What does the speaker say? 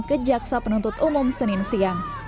ke jaksa penuntut umum senin siang